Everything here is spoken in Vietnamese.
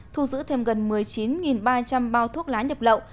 thu giữ thêm gần một mươi chín ba trăm linh bao thuốc lá nhập lậu